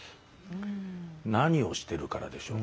何をしてるからでしょう？